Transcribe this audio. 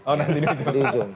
oh nanti di ujung